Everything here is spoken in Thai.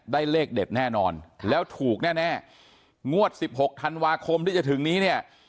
เลขเด็ดแน่นอนแล้วถูกแน่แน่งวด๑๖ธันวาคมที่จะถึงนี้เนี่ย